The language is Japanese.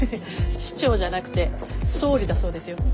市長じゃなくて総理だそうですよ。